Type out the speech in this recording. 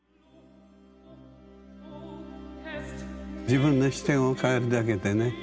自分の視点を変えるだけでね